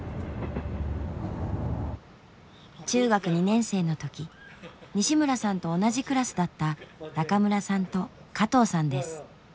中学２年生の時西村さんと同じクラスだった中村さんと加藤さんです。